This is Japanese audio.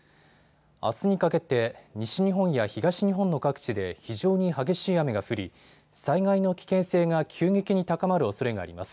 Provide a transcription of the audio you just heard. あすにかけて、西日本や東日本の各地で非常に激しい雨が降り災害の危険性が急激に高まるおそれがあります。